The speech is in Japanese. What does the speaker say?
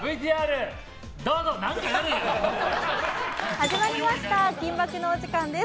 始まりました「金バク！」のお時間です。